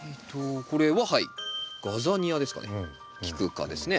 これははいガザニアですかね？